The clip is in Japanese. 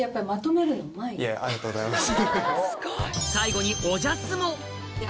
ありがとうございます。